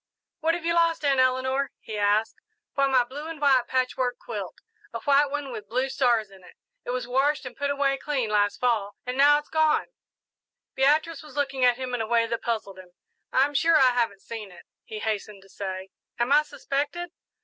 "What have you lost, Aunt Eleanor?" he asked. "Why, my blue and white patchwork quilt a white one with blue stars in it. It was washed and put away clean last Fall, and now it's gone." Beatrice was looking at him in a way that puzzled him. "I'm sure I haven't seen it," he hastened to say. "Am I suspected?"